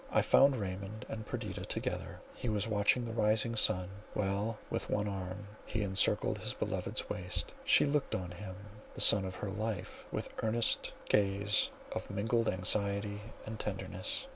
I found Raymond and Perdita together. He was watching the rising sun, while with one arm he encircled his beloved's waist; she looked on him, the sun of her life, with earnest gaze of mingled anxiety and tenderness.